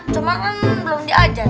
cuman kan belum diajar